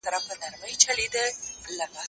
کار وکړه!؟